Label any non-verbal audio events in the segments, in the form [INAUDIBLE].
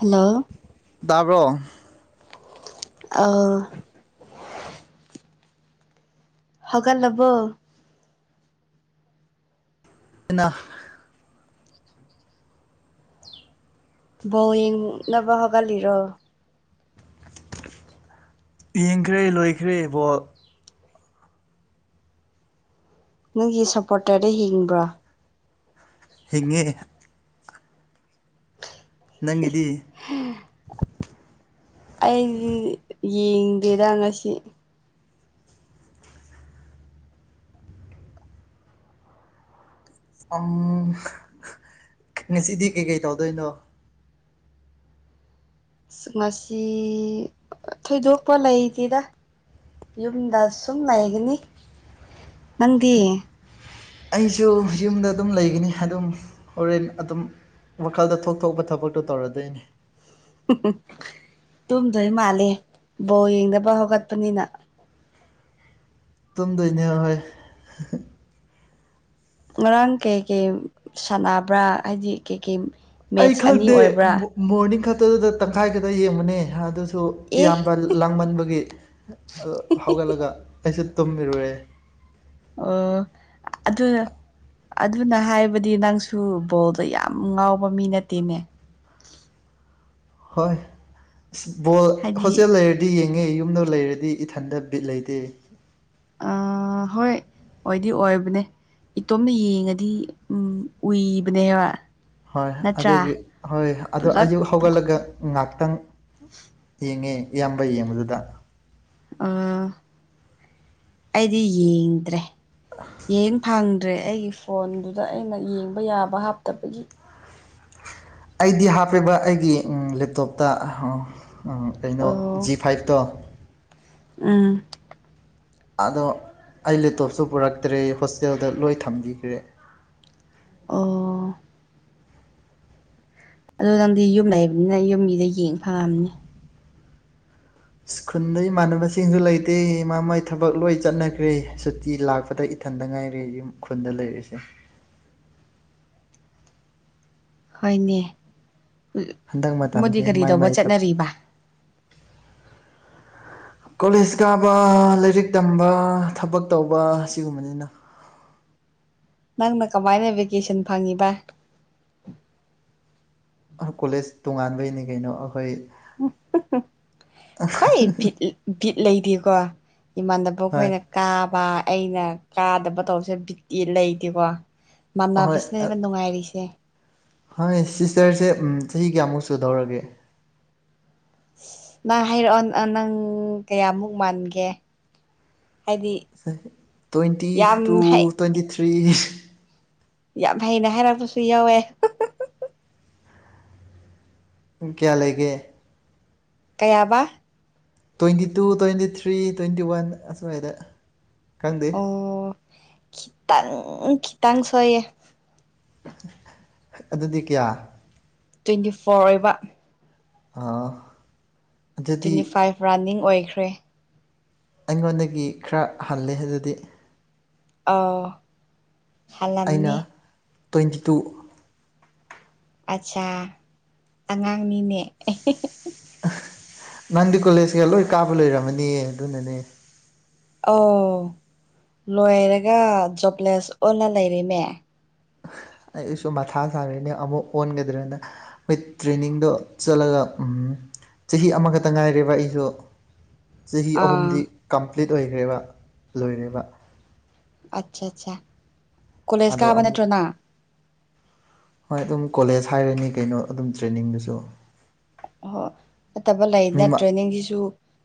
hello ꯇꯥꯕ꯭ꯔꯣ ꯑꯧ ꯍꯧꯒꯠꯂꯕꯣ ꯏꯅ ꯕꯣꯜ ꯌꯦꯡꯅꯕ ꯍꯧꯒꯠꯂꯤꯔꯣ ꯌꯦꯡꯈ꯭ꯔꯦ ꯂꯣꯏꯈ꯭ꯔꯦ ꯕꯣꯜ ꯅꯪꯒꯤ ꯁꯞꯄꯣꯔꯇꯔꯗ ꯍꯤꯡꯕ꯭ꯔꯣ ꯍꯤꯡꯉꯦ ꯅꯪꯒꯤꯗꯤ ꯍꯦ [INAUDIBLE] ꯑꯩꯗꯤ ꯌꯦꯡꯗꯦꯗ ꯉꯁꯤ ꯎꯝ ꯉꯁꯤꯗꯤ ꯀꯩꯀꯩ ꯇꯧꯗꯣꯏꯅꯣ ꯉꯁꯤ ꯊꯣꯏꯗꯣꯛꯄ ꯂꯩꯇꯦꯗ ꯌꯨꯝꯗ ꯁꯨꯝ ꯂꯩꯒꯅꯤ ꯅꯪꯗꯤ ꯑꯩꯁꯨ ꯌꯨꯝꯗ ꯑꯗꯨꯝ ꯂꯩꯒꯅꯤ ꯑꯗꯨꯝ ꯍꯣꯔꯦꯟ ꯑꯗꯨꯝ ꯋꯥꯈꯥꯜꯗ ꯊꯣꯛ ꯊꯣꯛꯄ ꯊꯕꯛꯇꯣ ꯇꯧꯔꯗꯣꯏꯅꯦ ꯇꯨꯝꯗꯣꯏ ꯃꯥꯜꯂꯦ ꯕꯣ ꯌꯦꯡꯅꯕ ꯍꯧꯒꯠꯄꯅꯤꯅ ꯇꯨꯝꯗꯣꯏꯅꯦ ꯍꯣꯏ ꯉꯔꯥꯡ ꯀꯩꯀꯩ ꯁꯥꯟꯅꯕ꯭ꯔꯥ ꯍꯥꯏꯗꯤ ꯀꯩꯀꯩ ꯑꯩ ꯃꯦꯠꯁ ꯑꯅꯤ ꯈꯪꯗꯦ ꯑꯣꯏꯕ꯭ꯔꯥ ꯃꯣꯔꯅꯤꯡ ꯈꯛꯇꯗꯨꯗ ꯇꯪꯈꯥꯏ ꯈꯛꯇ ꯌꯦꯡꯕꯅꯦ ꯑꯗꯨꯁꯨ ꯑꯦ ꯏꯌꯥꯝꯕ ꯂꯥꯡꯃꯟꯕꯒꯤ ꯍꯧꯒꯠꯂꯒ ꯑꯩꯁꯨ ꯇꯨꯝꯃꯤꯔꯨꯔꯦ ꯑꯣ ꯑꯗꯨ ꯑꯗꯨꯅ ꯍꯥꯏꯕꯗꯤ ꯅꯪꯁꯨ ꯕꯣꯜꯗ ꯌꯥꯝ ꯉꯥꯎꯕ ꯃꯤ ꯅꯠꯇꯦꯅꯦ ꯍꯣꯏ ꯕꯣꯜ ꯍꯥꯏꯗꯤ ꯍꯣꯁꯦꯜ ꯂꯩꯔꯗꯤ ꯂꯩꯔꯗꯤ ꯌꯦꯡꯉꯦ ꯌꯨꯝꯗ ꯂꯩꯔꯗꯤ ꯏꯊꯟꯗ ꯕꯤꯠ ꯂꯩꯇꯦ ꯑꯥ ꯍꯣꯏ [INAUDIBLE] ꯑꯣꯏꯗꯤ ꯑꯣꯏꯕꯅꯦ ꯏꯇꯣꯝꯅ ꯌꯦꯡꯉꯗꯤ ꯎꯝ ꯎꯨꯏꯕꯅꯦꯕ ꯍꯣꯏ ꯑꯗꯨꯒꯤ ꯍꯣꯏ ꯑꯗꯣ ꯄꯨꯂꯞ ꯑꯌꯨꯛ ꯍꯧꯒꯠꯂꯒ ꯉꯥꯏꯍꯥꯛꯇꯪ ꯌꯦꯡꯉꯦ ꯏꯌꯥꯝꯕ ꯌꯦꯡꯕꯗꯨꯗ ꯑꯣ ꯑꯩꯗꯤ ꯌꯦꯡꯗ꯭ꯔꯦ ꯌꯦꯡ ꯐꯪꯗ꯭ꯔꯦ ꯑꯩꯒꯤ ꯐꯣꯟꯗꯨꯗ ꯑꯩꯅ ꯌꯦꯡꯕ ꯌꯥꯕ ꯍꯥꯞꯇꯕꯒꯤ ꯑꯩꯗꯤ ꯍꯥꯞꯄꯦꯕ ꯑꯩꯒꯤ ꯂꯦꯞꯇꯣꯞꯇ ꯀꯩꯅꯣ ꯑꯣ ꯖꯤ ꯐꯥꯏꯞꯇꯣ ꯎꯝ ꯑꯗꯣ ꯑꯩ ꯂꯦꯞꯇꯣꯞꯁꯨ ꯄꯨꯔꯛꯇ꯭ꯔꯦ ꯍꯣꯁꯇꯦꯜꯗ ꯂꯣꯏ ꯊꯝꯕꯤꯈ꯭ꯔꯦ ꯑꯣ ꯑꯗꯣ ꯅꯪꯗꯤ ꯌꯨꯝ ꯂꯩꯕꯅꯤꯅ ꯌꯨꯝꯒꯤꯗ ꯌꯦꯡ ꯐꯪꯉꯥꯝꯅꯤ ꯈꯨꯟꯗ ꯏꯃꯥꯟꯅꯕꯁꯤꯡꯁꯨ ꯂꯩꯇꯦ ꯃꯥ ꯃꯥꯒꯤ ꯊꯕꯛ ꯂꯣꯏ ꯆꯠꯅꯈ꯭ꯔꯦ ꯁꯨꯇꯤ ꯂꯥꯛꯄꯗ ꯏꯊꯟꯗ ꯉꯥꯏꯔꯦ ꯌꯨꯝ ꯈꯨꯟꯗ ꯂꯩꯔꯤꯁꯦ ꯍꯣꯏꯅꯦ ꯍꯟꯗꯛ ꯃꯣꯏꯗꯤ ꯃꯇꯝꯁꯦ ꯀꯔꯤ ꯃꯥꯏ ꯇꯧꯕ ꯃꯥꯏ ꯊꯕꯛ ꯆꯠꯅꯔꯤꯕ ꯀꯣꯂꯦꯖ ꯀꯥꯕ ꯂꯥꯏꯔꯤꯛ ꯇꯝꯕ ꯊꯕꯛ ꯇꯧꯕ ꯑꯁꯤꯒꯨꯝꯕꯅꯤꯅ ꯅꯪꯅ ꯀꯃꯥꯏꯅ ꯚꯦꯀꯦꯁꯟ ꯐꯪꯉꯤꯕ ꯀꯣꯂꯦꯖ ꯇꯣꯉꯥꯟꯕꯩꯅꯤ ꯀꯩꯅꯣ ꯑꯩꯈꯣꯏ ꯈꯣꯏ ꯚꯤꯠ ꯚꯤꯠ ꯂꯩꯗꯦꯀꯣ ꯏꯃꯥꯟꯅꯕ ꯍꯣꯏ ꯑꯩꯈꯣꯏꯅ ꯀꯥꯕ ꯑꯩꯅ ꯀꯥꯗꯕ ꯇꯧꯕꯁꯦ ꯕꯤꯛꯇꯤ ꯂꯩꯇꯦꯀꯣ ꯃꯥꯟꯅꯕꯁꯤꯅꯦ ꯅꯨꯡꯉꯥꯏꯔꯤꯁꯦ ꯍꯣꯢ ꯁꯤꯁꯇꯔꯁꯦ ꯆꯍꯤ ꯀꯌꯥꯃꯨꯛ ꯁꯨꯗꯧꯔꯒꯦ ꯅꯪ ꯍꯥꯏꯔꯛꯑꯣ ꯅꯪ ꯀꯌꯥꯃꯨꯛ ꯃꯥꯟꯒꯦ ꯍꯥꯏꯗꯤ ꯇ꯭ꯋꯦꯟꯇꯤ ꯌꯥꯝ ꯇꯨ ꯍꯩ ꯇ꯭ꯋꯦꯟꯇꯤ ꯊ꯭ꯔꯤ ꯌꯥꯝ ꯍꯩꯅ ꯍꯥꯏꯔꯛꯄꯁꯨ ꯌꯥꯎꯋꯦ ꯀꯌꯥ ꯂꯩꯒꯦ ꯀꯌꯥꯕ twenty two twenty three twenty one ꯑꯁꯤꯋꯥꯏꯗ ꯈꯪꯗꯦ ꯑꯣ ꯈꯤꯇꯪ ꯈꯤꯇꯪ ꯁꯣꯏꯌꯦ ꯑꯗꯨꯗꯤ ꯀꯌꯥ ꯇ꯭ꯋꯦꯟꯇꯤ ꯐꯣꯔ ꯑꯣꯏꯕ ꯑꯥ ꯑꯗꯨꯗꯤ ꯇ꯭ꯋꯦꯟꯇꯤ ꯐꯥꯏꯚ ꯔꯥꯅꯤꯡ ꯑꯣꯏꯈ꯭ꯔꯦ ꯑꯩꯉꯣꯟꯗꯒꯤ ꯈꯔ ꯍꯜꯂꯦ ꯑꯗꯨꯗꯤ ꯑꯧ ꯑꯩꯅ ꯍꯜꯂꯝꯅꯤ ꯇ꯭ꯋꯦꯟꯇꯤ ꯇꯨ ꯑꯠꯆꯥꯥ ꯑꯉꯥꯡꯅꯤꯅꯦ ꯅꯥꯟꯗꯤ ꯀꯣꯂꯦꯖꯒ ꯂꯣꯏ ꯀꯥꯕ ꯂꯩꯣꯏꯔꯝꯃꯅꯤ ꯑꯗꯨꯅꯅꯦ ꯑꯧ ꯂꯣꯏꯔꯒ ꯖꯣꯕꯂꯦꯁ ꯑꯣꯜꯂ ꯂꯩꯔꯦꯅꯦ ꯑꯩꯁꯨ ꯃꯊꯥ ꯁꯥꯔꯤꯅꯦ ꯑꯃꯨꯛ ꯑꯣꯟꯒꯗ꯭ꯔꯦꯅ ꯍꯣꯏ ꯇ꯭ꯔꯦꯅꯤꯡꯗꯣ ꯆꯠꯂꯒ ꯆꯍꯤ ꯑꯃꯈꯛꯇ ꯉꯥꯏꯔꯦꯕ ꯑꯩꯁꯨ ꯆꯍꯤ ꯑꯍꯨꯝꯗꯤ ꯑꯥ ꯀꯝꯄ꯭ꯂꯤꯠ ꯑꯣꯏꯈ꯭ꯔꯦꯕ ꯂꯣꯏꯔꯦꯕ ꯑꯠ ꯆꯥ ꯆꯥ ꯀꯣꯂꯦꯖ ꯑꯗꯣ ꯀꯥꯕ ꯑꯃꯨꯛ ꯅꯠꯇ꯭ꯔꯣ ꯅ ꯍꯣꯏ ꯑꯗꯨꯝ ꯀꯣꯂꯦꯖ ꯍꯥꯏꯔꯅꯤ ꯀꯩꯅꯣ ꯑꯗꯨꯝ ꯇ꯭ꯔꯦꯅꯤꯡꯗꯨꯁꯨ ꯑꯣꯍꯣꯏ ꯐꯠꯇꯕ ꯂꯩꯅ ꯃꯤꯃ ꯇ꯭ꯔꯦꯅꯤꯡꯁꯤꯁꯨ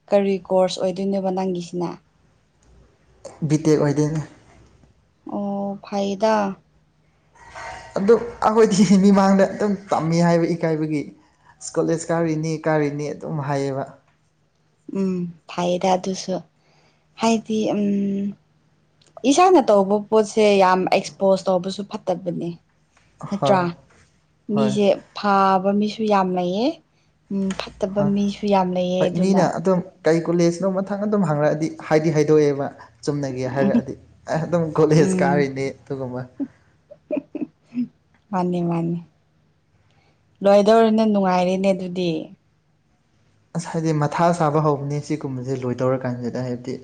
ꯀꯔꯤ ꯀꯣꯔꯁ ꯑꯣꯏꯗꯣꯏꯅꯣꯕ ꯅꯪꯒꯤꯁꯤꯅ ꯕꯤ ꯇꯦꯛ ꯑꯣꯏꯗꯣꯏꯅꯤ ꯑꯣ ꯐꯥꯏꯗ ꯑꯗꯨꯝ ꯑꯩꯈꯣꯏꯗꯤ ꯃꯤꯃꯥꯡꯗ ꯑꯗꯨꯝ ꯇꯝꯃꯤ ꯍꯥꯏꯕ ꯏꯀꯥꯏꯕꯒꯤ ꯀꯣꯂꯦꯖ ꯀꯥꯔꯤꯅꯤ ꯀꯥꯔꯤꯅꯤ ꯑꯗꯨꯝ ꯍꯥꯏꯌꯦꯕ ꯎꯝ ꯐꯩꯌꯦꯗ ꯑꯗꯨꯁꯨ ꯍꯥꯏꯗꯤ ꯎꯝ ꯏꯁꯥꯅ ꯇꯧꯕ ꯄꯣꯠꯁꯦ ꯌꯥꯝ ꯑꯦꯛꯁꯄꯣꯖ ꯇꯧꯕꯁꯨ ꯐꯠꯇꯕꯅꯦ ꯅꯠꯇ꯭ꯔꯥ ꯍꯣꯏ ꯍꯣꯏ ꯃꯤꯁꯦ ꯐꯥꯕ ꯃꯤꯁꯨ ꯌꯥꯝ ꯂꯩꯌꯦ ꯐꯠꯇꯕ ꯃꯤꯁꯨ ꯌꯥꯝ ꯂꯩꯑ ꯑꯗꯨꯅ ꯀꯔꯤ ꯀꯨꯂꯦꯖꯅꯣ ꯃꯊꯪ ꯑꯗꯨꯝ ꯍꯥꯡꯉꯛꯑꯗꯤ ꯍꯥꯏꯗꯤ ꯍꯥꯏꯗꯣꯛꯑꯦꯕ ꯆꯨꯝꯅꯒꯦ ꯎꯝ ꯍꯥꯏꯔꯛꯑꯗꯤ ꯑꯩ ꯑꯗꯨꯝ ꯀꯣꯂꯦꯖ ꯀꯥꯔꯤꯅꯤ ꯑꯗꯨꯒꯨꯝꯕ ꯃꯥꯅꯦ ꯃꯥꯅꯦ ꯂꯣꯏꯗꯧꯔꯅꯦ ꯅꯪ ꯅꯨꯡꯉꯥꯏꯔꯦꯅꯦ ꯑꯗꯨꯗꯤ ꯑꯁ ꯍꯥꯏꯗꯤ ꯃꯊꯥ ꯁꯥꯕ ꯍꯧꯕꯅꯦ ꯁꯤꯒꯨꯝꯕꯁꯦ ꯂꯣꯏ ꯇꯧꯔꯀꯥꯟꯁꯤꯗ ꯍꯥꯏꯕꯗꯤ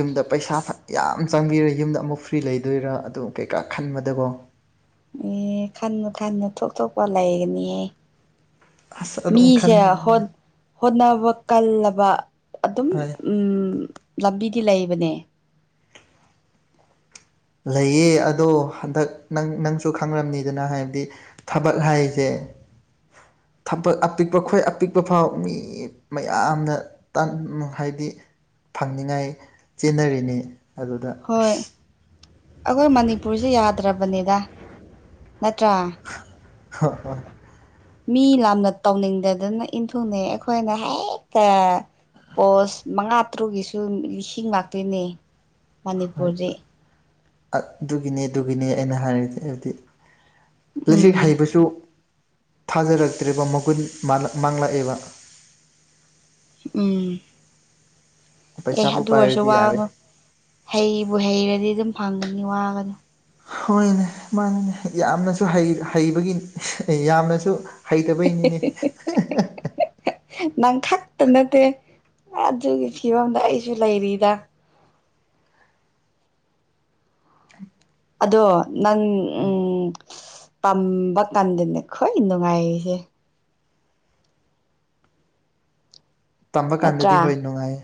ꯌꯨꯝꯗ ꯄꯩꯁꯥ ꯌꯥꯝ ꯆꯪꯕꯤꯔꯦ ꯌꯨꯝꯗ ꯑꯃꯨꯛ ꯐ꯭ꯔꯤ ꯂꯩꯗꯣꯏꯔꯥ ꯑꯗꯨ ꯀꯩꯀꯥ ꯈꯟꯕꯗꯀꯣ ꯑꯦ ꯈꯟꯅꯨ ꯈꯟꯅꯨ ꯊꯣꯛ ꯊꯣꯛꯄ ꯂꯩꯒꯅꯤꯌꯦ ꯑꯁ ꯑꯗꯨꯝ ꯃꯤꯁꯦ ꯈꯟꯕꯅꯦ ꯍꯣꯠꯅꯕ ꯀꯜꯂꯕ ꯑꯗꯨꯝ ꯍꯣꯏ ꯎꯝ ꯂꯝꯕꯤꯗꯤ ꯂꯩꯕꯅꯦ ꯂꯩꯌꯦ ꯑꯗꯣ ꯍꯟꯗꯛ ꯅꯪ ꯅꯪꯁꯨ ꯈꯪꯔꯕꯅꯤꯗꯅ ꯍꯥꯏꯕꯗꯤ ꯊꯕꯠ ꯍꯥꯏꯁꯦ ꯊꯄꯛ ꯑꯄꯤꯛꯄ ꯈꯣꯏ ꯑꯄꯤꯛꯄ ꯐꯥꯎ ꯃꯤ ꯃꯌꯥꯝꯅ ꯇꯟ ꯍꯥꯏꯗꯤ ꯐꯪꯅꯤꯡꯉꯥꯏ ꯆꯦꯟꯅꯔꯤꯅꯤ ꯑꯗꯨꯗ ꯍꯣꯏ ꯑꯁ ꯑꯩꯈꯣꯏ ꯃꯅꯤꯄꯨꯔꯁꯦ ꯌꯥꯗ꯭ꯔꯕꯅꯤꯗ ꯅꯠꯇ꯭ꯔꯥ ꯍ ꯍ ꯃꯤ ꯂꯥꯝꯅ ꯇꯧꯅꯤꯡꯗꯗꯅ ꯏꯟꯊꯨꯡꯅꯩ ꯑꯩꯈꯣꯏꯅ ꯍꯦꯛꯇ ꯄꯣꯁ ꯃꯉꯥ ꯇꯔꯨꯛꯀꯤꯁꯨ ꯂꯤꯁꯤꯡ ꯉꯥꯛꯇꯣꯏꯅꯦ ꯍꯣꯏ ꯃꯅꯤꯄꯨꯔꯖꯦ ꯑꯗꯨꯒꯤꯅꯦ ꯑꯗꯨꯒꯤꯅꯦ ꯑꯩꯅ ꯍꯥꯏꯔꯤꯗꯤ ꯍꯥꯏꯕꯗꯤ ꯂꯖꯤꯛ ꯎꯝ ꯍꯩꯕꯁꯨ ꯊꯥꯖꯔꯛꯇ꯭ꯔꯦꯕ ꯃꯒꯨꯟ ꯃꯥꯡꯂꯛꯑꯦꯕ ꯎꯝ ꯑꯦ ꯄꯩꯁꯥꯕꯨ ꯑꯗꯨ ꯑꯣꯏꯔꯁꯨ ꯄꯥꯏꯔꯗꯤ ꯋꯥ ꯌꯥꯔꯦ ꯉꯣ ꯍꯩꯕꯨ ꯍꯩꯔꯗꯤ ꯑꯗꯨꯝ ꯐꯪꯒꯅꯤ ꯋꯥꯒꯅꯣ ꯍꯣꯏꯅꯦ ꯃꯥꯅꯤꯅꯦ ꯌꯥꯝꯅꯁꯨ ꯍꯩ ꯍꯩꯕꯒꯤ ꯌꯥꯝꯅꯁꯨ ꯍꯩꯇꯕꯩ ꯅꯤꯅꯦ ꯅꯪ ꯈꯛꯇ ꯅꯠꯇꯦ ꯑꯗꯨꯒꯤ ꯐꯤꯕꯝꯗ ꯑꯩꯁꯨ ꯂꯩꯔꯤꯗ ꯑꯗꯣ ꯅꯪ ꯎꯝ ꯎꯝ ꯇꯝꯕ ꯀꯥꯟꯗꯅꯦ ꯈꯋ꯭ꯥꯏ ꯅꯨꯉꯥꯏꯔꯤꯁꯦ ꯇꯝꯕ ꯀꯥꯟꯗꯗꯤ ꯅꯠꯇ꯭ꯔꯥ ꯍꯣꯏ ꯅꯨꯉꯥꯏ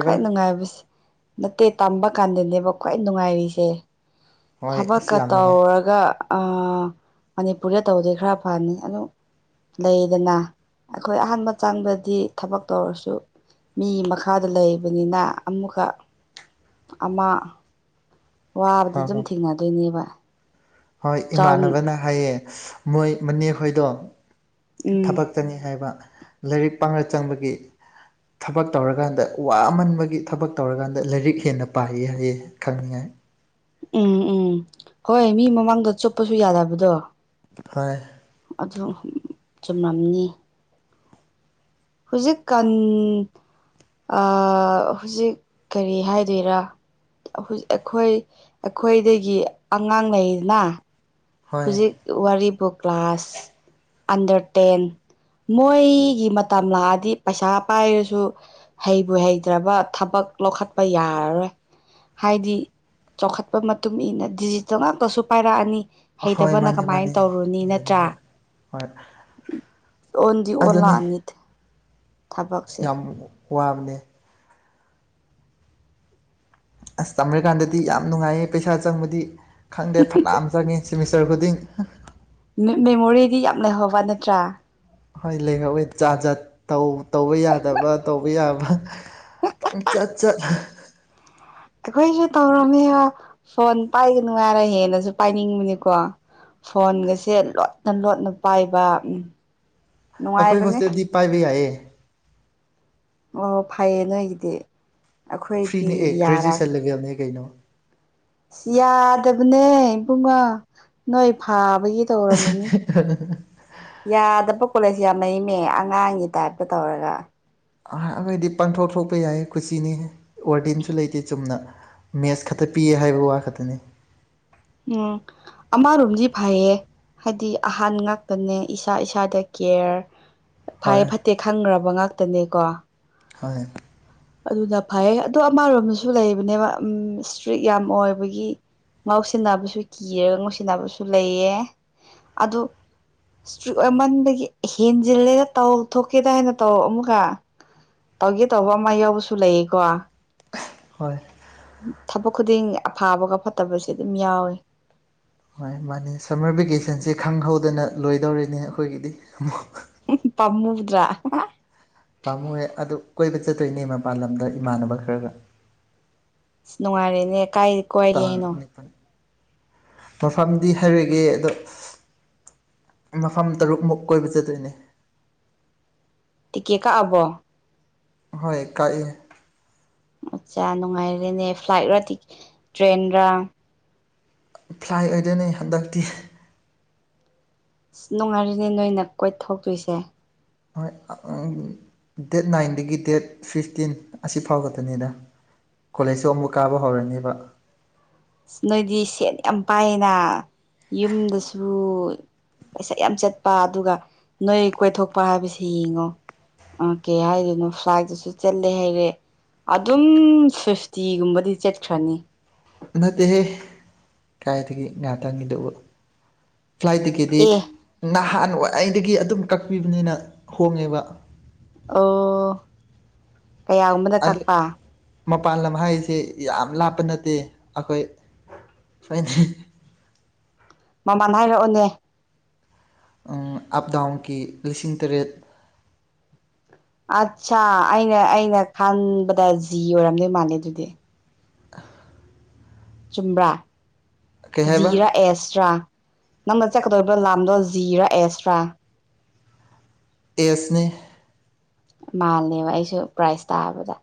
ꯈ꯭ꯋꯥꯏ ꯅꯨꯉꯥꯏꯕꯁꯦ ꯅꯠꯇꯦ ꯇꯝꯕ ꯀꯥꯟꯗꯅꯦꯕ ꯈ꯭ꯋꯥꯏ ꯅꯨꯉꯥꯏꯔꯤꯁꯦ ꯍꯣꯏ ꯑꯁ ꯊꯕꯛꯀ ꯌꯥꯝ ꯅꯨꯡꯉꯥꯏ ꯇꯧꯔꯒ ꯑꯥ ꯃꯅꯤꯄꯨꯔꯗ ꯇꯧꯔꯗꯤ ꯈꯔ ꯐꯅꯤ ꯑꯗꯨ ꯂꯩꯌ‌ꯦꯗꯅ ꯑꯈꯣꯏ ꯑꯍꯥꯟꯕ ꯆꯡꯕꯗꯤ ꯊꯕꯛ ꯇꯧꯔꯁꯨ ꯃꯤꯒꯤ ꯃꯈꯥꯗ ꯂꯩꯕꯅꯤꯅꯥ ꯑꯃꯨꯛꯀ ꯑꯃꯥ ꯋꯥꯕꯗꯨ ꯍꯣꯏ ꯗꯨꯝ ꯍꯣꯏ ꯊꯦꯡꯅꯗꯣꯏꯅꯦꯕ ꯍꯣꯏ ꯆꯥꯎ ꯏꯃꯥꯟꯅꯕꯅꯥ ꯍꯥꯏꯌꯦ ꯃꯣꯏ ꯃꯅꯦꯈꯣꯏꯗꯣ ꯎꯝ ꯊꯕꯛ ꯇꯅꯤ ꯍꯥꯏꯕ ꯂꯥꯏꯔꯤꯛ ꯄꯥꯔ ꯆꯪꯕꯒꯤ ꯊꯕꯛ ꯇꯧꯔꯒꯥꯟꯗ ꯋꯥꯃꯟꯕꯒꯤ ꯊꯕꯛ ꯇꯧꯔꯒꯥꯟꯗ ꯂꯥꯏꯔꯤꯛ ꯍꯦꯟꯅ ꯄꯥꯌꯦ ꯍꯥꯏꯌꯦ ꯈꯪꯅꯤꯉꯥꯏ ꯎꯝ ꯎꯝ ꯍꯣꯏ ꯃꯤ ꯃꯃꯥꯡꯗ ꯆꯣꯞꯄꯁꯨ ꯌꯥꯗꯕꯗꯣ ꯍꯣꯏ ꯑꯗꯨ ꯆꯨꯝꯔꯝꯅꯤ ꯍꯨꯖꯤꯛꯀꯥꯟ ꯑꯥ ꯍꯨꯖꯤꯛ ꯀꯔꯤ ꯍꯥꯏꯗꯣꯏꯔꯥ [UNINTELLIGIBLE] ꯑꯩꯈꯣꯏ ꯑꯈꯣꯏꯗꯒꯤ ꯑꯉꯥꯡ ꯂꯩꯗꯅ ꯍꯣꯏ ꯍꯨꯖꯤꯛ ꯋꯥꯔꯤꯕꯨ ꯀ꯭ꯂꯥꯁ ꯑꯟꯗ꯭ꯔ ꯇꯦꯟ ꯃꯣꯏꯒꯤ ꯃꯇꯝ ꯂꯥꯛꯑꯥꯗꯤ ꯄꯩꯁꯥ ꯄꯥꯏꯔꯁꯨ ꯍꯩꯕꯨ ꯍꯩꯇ꯭ꯔꯕ ꯊꯕꯛ ꯂꯧꯈꯠꯄ ꯌꯥꯔꯔꯣꯏ ꯍꯥꯏꯗꯤ ꯆꯥꯎꯈꯠꯄꯥ ꯃꯇꯨꯡ ꯏꯟꯅ ꯗꯤꯖꯤꯠꯇ ꯉꯥꯛꯇꯁꯨ ꯄꯥꯏꯔꯛ ꯑꯅꯤ ꯍꯣꯏ ꯍꯩꯇꯕꯅ ꯃꯥꯅꯦ ꯀꯃꯥꯏꯟ ꯃꯥꯅꯦ ꯇꯧꯔꯨꯅꯤ ꯌꯥꯏꯅꯤ ꯅꯠꯇ꯭ꯔꯥ ꯍꯣꯏ ꯍꯣꯏ ꯑꯣꯟꯗꯤ ꯑꯗꯨꯅꯤ ꯑꯣꯂꯥꯛꯑꯅꯤ ꯌꯥꯝ ꯋꯥꯕꯅꯦ ꯑꯁ ꯇꯝꯔꯤꯀꯥꯟꯗꯗꯤ ꯌꯥꯝ ꯅꯨꯡꯉꯥꯏꯌꯦ ꯄꯩꯁꯥ ꯆꯪꯕꯗꯤ ꯈꯪꯗꯦ ꯐꯅꯥꯝ ꯆꯪꯉꯤ ꯁ‌ꯦꯃꯤꯁꯇ꯭ꯔ ꯈꯨꯗꯤꯡ ꯃ‌ꯦ ꯃꯦꯃꯣꯔꯤꯗꯤ ꯌꯥꯝ ꯂꯩꯩꯍꯧꯕ ꯅꯠꯇ꯭ꯔꯥ ꯍꯣꯏ ꯂꯩꯍꯧꯋꯦ ꯖꯥꯠ ꯖꯥꯠ ꯇꯧ ꯇꯧꯕ ꯌꯥꯗꯕ ꯇꯧꯕ ꯌꯥꯕ ꯄꯪꯆꯠ ꯆꯠ ꯑꯩꯈ‌ꯣꯏꯁꯨ ꯇꯧꯔꯝꯃꯦꯕ ꯐꯣꯟ ꯄꯥꯏꯒꯅꯨ ꯍꯥꯏꯔ ꯍꯦꯟꯅꯁꯨ ꯄꯥꯏꯅꯤꯡꯉ‌ꯦꯀꯣ ꯐꯣꯟꯒꯥꯁꯦ ꯂꯣꯠꯅ ꯂꯣꯠꯅ ꯄꯥꯏꯕ ꯎꯝ ꯑꯈꯣꯏ ꯅꯨꯡꯉꯥꯏꯕꯅꯦ ꯍꯣꯁꯇꯦꯜꯗꯤ ꯄꯥꯏꯕ ꯌꯥꯏꯌꯦ ꯑꯣ ꯐꯌꯦ ꯅꯣꯏꯒꯤꯗꯤ ꯑꯈꯣꯏꯗꯤ ꯐ꯭ꯔꯤꯅꯦ ꯑꯦ ꯌꯥꯔꯥ [UNINTELLIGIBLE] ꯀꯩꯅꯣ ꯌꯥꯗꯕꯅꯦ ꯏꯕꯨꯡꯉꯣ ꯅꯣꯏ ꯐꯕꯒꯤ ꯇꯧꯔꯝꯃꯤꯅꯤ ꯌꯥꯗꯕ ꯀꯣꯂꯦꯖ ꯌꯥꯝ ꯂꯩꯩꯅꯦ ꯑꯉꯥꯡꯒꯤ ꯇꯥꯏꯞꯇ ꯇꯧꯔꯒ ꯑꯈꯣꯏꯗꯤ ꯄꯪꯊꯔ‌ꯣꯛ ꯊꯔ‌ꯣꯛꯄ ꯌꯥꯏ ꯀꯨꯁꯤꯅꯤ ꯋꯥ꯭ꯔꯗꯦꯟꯁꯨ ꯂꯩꯇꯦ ꯆꯨꯝꯅ ꯃꯦꯁ ꯈꯇ ꯄꯤꯌꯦ ꯍꯥꯏꯕ ꯋꯥ ꯈꯇꯥꯅꯤ ꯉꯥ ꯑꯃꯥꯔꯣꯝꯗꯤ ꯐꯌꯦ ꯍꯥꯏꯗꯤ ꯑꯍꯟ ꯉꯥꯛꯇꯅꯦ ꯏꯁꯥ ꯏꯁꯥꯗ ꯀꯤꯌ꯭ꯔ ꯍꯣꯏ ꯐꯩ ꯐꯠꯇꯦ ꯈꯪꯒ꯭ꯔꯥꯕ ꯉꯥꯛꯇꯅꯦ ꯀꯣ ꯍꯣꯏ ꯑꯗꯨꯗ ꯐꯩꯌꯦ ꯑꯗꯨ ꯑꯃꯥꯔꯣꯝꯗꯁꯨ ꯂꯩꯕꯅꯦꯕ ꯎꯝ ꯏꯁꯇ꯭ꯔꯤꯛ ꯌꯥꯝ ꯑꯣꯏꯕꯒꯤ ꯉꯥꯎꯁꯤꯟꯅꯥꯕꯁꯨ ꯀꯤꯔꯒ ꯉꯥꯎꯁꯤꯟꯅꯥꯕꯁꯨ ꯂꯩꯌꯦ ꯑꯗꯨ ꯏꯁꯇ꯭ꯔꯤꯛ ꯑꯣꯏꯃꯟꯕꯒꯤ ꯍꯦꯟꯖꯤꯜꯂꯦꯗ ꯇꯧ ꯊꯣꯛꯀꯦꯗꯥ ꯍꯥꯏꯅ ꯇꯧ ꯑꯃꯨꯛꯀꯥ ꯇꯧꯒꯦ ꯇꯧꯕ ꯑꯃꯥ ꯌꯥꯎꯕꯁꯨ ꯂꯩꯌꯦꯀꯣ ꯍꯣꯏ ꯊꯥꯕꯛ ꯈꯨꯗꯤꯡ ꯑꯐꯥꯕꯒ ꯐꯠꯇꯥꯕꯁꯦ ꯑꯗꯨꯝ ꯌꯥꯎꯏ ꯃꯥꯅꯤ ꯃꯥꯅꯤ ꯁꯝꯃꯔ ꯚꯦꯀꯦꯁꯟꯁꯦ ꯈꯪꯍꯧꯗꯅ ꯂꯣꯏꯗꯧꯔꯦꯅꯦ ꯑꯈꯣꯏꯒꯤꯗꯤ ꯑꯃꯨꯛ ꯄꯥꯝꯃꯨꯗ꯭ꯔꯥ ꯄꯥꯝꯃꯨꯌꯦ ꯑꯗꯨ ꯀꯣꯏꯕ ꯆꯠꯇꯣꯏꯅꯦ ꯃꯄꯥꯟ ꯂꯝꯗꯥ ꯏꯃꯥꯟꯅꯕ ꯈꯔꯒ [INAUDIBLE] ꯅꯨꯡꯉꯥꯏꯔꯦꯅꯦ ꯀꯥꯏ ꯀꯣꯏꯒꯦ ꯇꯥꯡ ꯍꯥꯏꯅꯣ ꯅꯤꯄꯥꯜ ꯃꯐꯝꯗꯤ ꯍꯩꯔꯒꯦ ꯑꯗꯣ ꯃꯐꯝ ꯇꯔꯨꯛꯃꯨꯛ ꯀꯣꯏꯕ ꯆꯠꯇꯣꯏꯅꯦ ꯇꯤꯀꯦꯠ ꯀꯛꯑꯕꯣ ꯍꯣꯏ ꯀꯥꯛꯑꯦ ꯑꯠꯆꯥ ꯅꯨꯡꯉꯥꯏꯔꯦꯅꯦ ꯐ꯭ꯂꯥꯏꯠꯔꯥ ꯇꯤ ꯇ꯭ꯔꯦꯟꯔꯥ ꯐ꯭ꯂꯥꯏ ꯑꯣꯏꯗꯣꯏꯅꯤ ꯍꯟꯗꯛꯇꯤ ꯑꯁ ꯅꯨꯡꯉꯥꯏꯔꯤꯅꯦ ꯅꯣꯏꯅ ꯀꯣꯏꯊꯣꯛꯇꯣꯏꯁꯦ ꯍꯣꯏ ꯎꯝ ꯗꯦꯠ ꯅꯥꯏꯟꯗꯒꯤ ꯗꯦꯠ ꯐꯤꯐꯇꯤꯟ ꯑꯁꯤ ꯐꯥꯎ ꯈꯇꯥꯅꯤꯗ ꯀꯣꯂꯦꯖꯁꯨ ꯑꯃꯨꯛ ꯀꯥꯕ ꯍꯧꯔꯅꯦꯕ ꯅꯣꯏꯗꯤ ꯁꯦꯠ ꯌꯥꯝ ꯄꯥꯏꯌꯦꯅ ꯌꯨꯝꯗꯁꯨ ꯄꯩꯁꯥ ꯌꯥꯝ ꯆꯠꯄ ꯑꯗꯨꯒ ꯅꯣꯏ ꯀꯣꯏꯊꯣꯛꯄ ꯍꯥꯏꯕꯁꯤ ꯌꯦꯡꯉꯣ ꯎꯝ ꯀꯩ ꯍꯥꯏꯗꯣꯏꯅꯣ ꯐ꯭ꯂꯥꯏꯠꯇꯁꯨ ꯆꯠꯂꯦ ꯍꯥꯏꯔꯦ ꯑꯗꯨꯝ ꯐꯤꯐꯇꯤꯒꯨꯝꯕꯗꯤ ꯆꯠꯈ꯭ꯔꯥꯅꯤ ꯅꯠꯇꯦꯍꯦ ꯀꯔꯥꯏꯗꯒꯤ ꯉꯍꯥꯇꯪꯒꯤꯗꯨꯕꯨ ꯐ꯭ꯂꯥꯏꯠ ꯇꯤꯀꯦꯗꯤ ꯑꯦ ꯅꯍꯥꯟꯋꯥꯏꯗꯒꯤ ꯑꯗꯨꯝ ꯀꯛꯄꯤꯕꯅꯤꯅ ꯍꯣꯡꯉꯦꯕ ꯑꯣ ꯀꯌꯥꯒꯨꯝꯕꯗ ꯑꯗꯨ ꯀꯛꯄ ꯃꯄꯥꯟ ꯂꯝ ꯍꯥꯏꯖꯦ ꯌꯥꯝ ꯂꯥꯞꯄ ꯅꯠꯇꯦ ꯑꯈꯣꯏ [UNINTELLIGIBLE] ꯃꯃꯥꯟ ꯍꯥꯏꯔꯛꯑꯣꯅꯦ ꯎꯝ ꯑꯞ ꯗꯥꯎꯟꯒꯤ ꯂꯤꯁꯤꯡ ꯇꯔꯦꯠ ꯑꯠꯆꯥ ꯑꯩꯅ ꯑꯩꯅ ꯈꯟꯕꯗ ꯖꯤ ꯑꯣꯏꯔꯝꯗꯣꯏ ꯃꯥꯜꯂꯦ ꯑꯗꯨꯗꯤ ꯆꯨꯝꯕ꯭ꯔꯥ ꯀꯩ ꯍꯥꯏꯕ ꯖꯤꯔꯥ ꯑꯦꯁꯇ꯭ꯔꯥ ꯅꯪꯅ ꯆꯠꯀꯥꯗꯧꯔꯤꯕ ꯂꯥꯝꯗꯣ ꯖꯤꯔꯥ ꯑꯦꯁ꯭ꯔꯥ ꯑꯦꯁꯅꯦ ꯃꯥꯜꯂꯦꯕ ꯑꯩꯁꯨ ꯄ꯭ꯔꯥꯏꯖ ꯇꯥꯕꯗ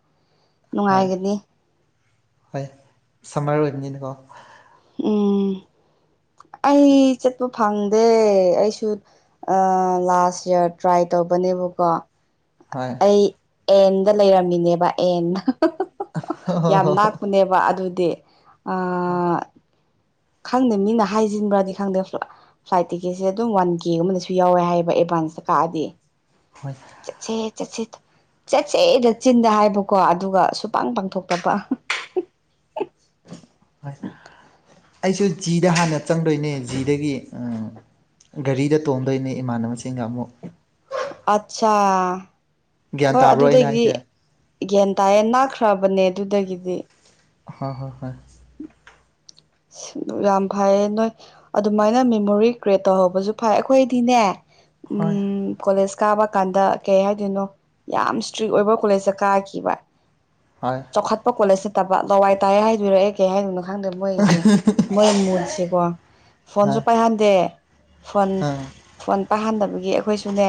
ꯍꯣꯏ ꯅꯨꯡꯉꯥꯏꯒꯅꯤ ꯍꯣꯏ ꯁꯝꯃꯔ ꯑꯣꯏꯕꯅꯤꯅꯀꯣ ꯎꯝ [INAUDIBLE] ꯑꯩ ꯆꯠꯄ ꯐꯪꯗꯦ ꯑꯩꯁꯨ ꯑꯥ ꯂꯥꯁ ꯌꯔ ꯇ꯭ꯔꯥꯏ ꯇꯧꯕꯅꯦꯕꯀꯣ ꯍꯣꯏ ꯑꯩ ꯑꯦꯟꯗ ꯂꯩꯔꯝꯃꯤꯅꯦꯕ ꯑꯦꯟꯗ ꯍꯣꯏ ꯍꯣꯏ ꯌꯥꯝ ꯅꯛꯄꯅꯦꯕ ꯋꯥ ꯑꯗꯨꯗꯤ ꯍꯣꯏ ꯈꯪꯗꯦ ꯃꯤꯅ ꯍꯥꯏꯖꯤꯟꯕ꯭ꯔꯥꯗꯤ ꯈꯪꯗꯦ [INAUDIBLE] ꯐ꯭ꯂꯥꯏꯠ ꯇꯤꯀꯦꯠꯁꯦ ꯑꯗꯨꯝ ꯋꯥꯟ ꯀꯦꯒꯨꯝꯕꯗꯁꯨ ꯌꯥꯎꯋꯦ ꯍꯥꯏꯌꯦꯕ ꯑꯦꯗꯚꯥꯟꯁꯇ ꯀꯛꯑꯗꯤ [INAUDIBLE] ꯆꯠꯁꯦ ꯆꯠꯁꯦ ꯆꯠꯁꯦꯗ ꯆꯤꯟꯗ ꯍꯥꯏꯕꯀꯣ ꯑꯗꯨꯒ ꯁꯨꯄꯥꯡ ꯄꯥꯡꯊꯣꯛꯇꯕ ꯑꯩꯁꯦ ꯖꯤꯗ ꯍꯥꯟꯅ ꯆꯪꯗꯣꯏꯅꯦ ꯖꯤꯗꯒꯤ ꯒꯥꯔꯤꯗ ꯇꯣꯡꯗꯣꯏꯅꯤ ꯏꯃꯥꯟꯅꯕꯁꯤꯡꯒ ꯑꯃꯨꯛ ꯑꯠꯆꯥꯥ ꯍꯣ ꯒ꯭ꯌꯥꯟ ꯇꯥꯕ꯭ꯔꯣ ꯑꯩꯅ ꯑꯗꯨꯗꯒꯤ ꯍꯥꯏꯁꯦ ꯒꯟ ꯇꯥꯌꯦ ꯅꯥꯛꯈ꯭ꯔꯕꯅꯦ ꯑꯗꯨꯗꯒꯤꯗꯤ ꯍꯣꯏ ꯍꯣꯏ ꯍꯣꯏ ꯌꯥꯝꯐꯩꯑꯦ ꯅꯦ ꯑꯗꯨꯃꯥꯏꯅ ꯃꯦꯃꯣꯔꯤ ꯀ꯭ꯔꯤꯌꯦꯠ ꯇꯧꯍꯧꯕꯁꯨ ꯐꯩ ꯑꯩꯈꯣꯏꯗꯤꯅꯦ ꯍꯣꯏ ꯎꯝ ꯀꯣꯂꯦꯖ ꯀꯥꯕ ꯀꯥꯟꯗ ꯀꯩ ꯍꯥꯏꯗꯣꯏꯅꯣ ꯌꯥꯝ ꯏꯁꯇ꯭ꯔꯤꯛ ꯑꯣꯏꯕ ꯀꯣꯂꯦꯖꯇ ꯀꯥꯈꯤꯕ [UNINTELLIGIBLE] ꯆꯧꯈꯠꯄ ꯀꯣꯂꯖꯁꯤꯠ ꯅꯠꯇꯕ ꯂꯋꯥꯏ ꯇꯥꯏ ꯍꯥꯏꯗꯣꯏꯔꯥ ꯑꯩ ꯀꯩ ꯍꯥꯏꯗꯣꯏꯅꯣ ꯈꯪꯗꯦ ꯃꯣꯏꯒꯤꯁꯦ ꯃꯣꯏ ꯃꯨꯠꯁꯦꯀꯣ ꯐꯣꯟꯁꯨ ꯍꯣꯏ ꯄꯥꯏꯍꯟꯗꯦ ꯐꯣꯟ ꯑꯥ ꯐꯣꯟ ꯄꯥꯍꯟꯗꯕꯒꯤ ꯑꯩꯈꯣꯏꯁꯨꯅꯦ